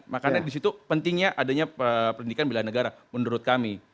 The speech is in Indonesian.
makanya di situ pentingnya adanya pendidikan bela negara menurut kami